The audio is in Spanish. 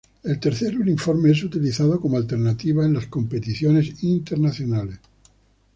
El tercer uniforme es utilizado como alternativa en las competiciones internacionales.